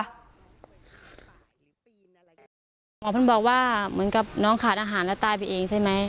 หมอเพื่อนบอกว่าเหมือนกับน้องขาดอาหารแล้วตายไปเองใช่ไหม